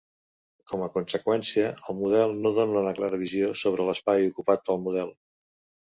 Com a conseqüència, el model no dóna una clara visió sobre l'espai ocupat pel model.